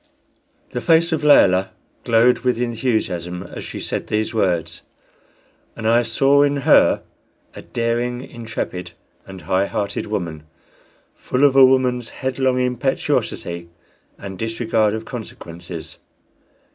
The face of Layelah glowed with enthusiasm as she said these words, and I saw in her a daring, intrepid, and high hearted woman, full of a woman's headlong impetuosity and disregard of consequences.